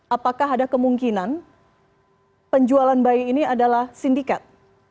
apakah ada kemungkinan penjualan bayi ini adalah sindikat